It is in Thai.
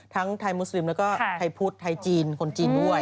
ทั้งไทยมุสลิมแล้วก็ไทยพุทธไทยจีนคนจีนด้วย